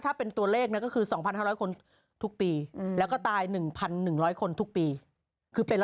๖แสนหนึ่งเป็น๖คน